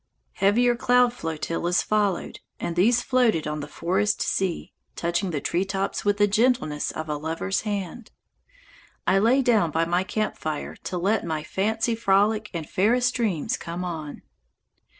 Heavier cloud flotillas followed, and these floated on the forest sea, touching the treetops with the gentleness of a lover's hand. I lay down by my camp fire to let my fancy frolic, and fairest dreams came on.